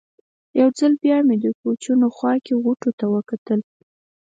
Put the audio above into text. یو ځل بیا مې د کوچونو خوا کې غوټو ته وکتل.